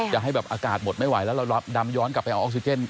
จะให้แบบอากาศหมดไม่ไหวแล้วเราดำย้อนกลับไปเอาออกซิเจน